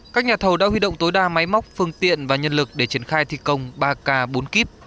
các nhà thầu đã huy động tối đa máy móc phương tiện và nhân lực để triển khai thi công ba k bốn k